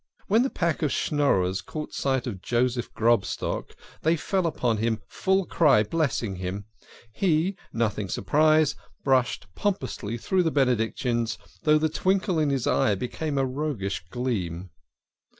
When the pack of Schnorrers caught sight of Joseph Grobstock, they fell upon him full cry, blessing him. He, THE KING OF SCHNORRERS. 3 nothing surprised, brushed pompously through the benedic tions, though the twinkle in his eye became a roguish gleam.